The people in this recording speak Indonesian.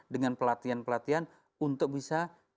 dengan pelatihan pelatihan untuk bisa kedepannya mencapai